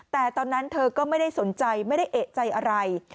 แต่ตอนนั้นเธอก็ไม่ได้สนใจไม่ได้เอกใจอะไร